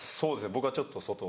僕はちょっと外。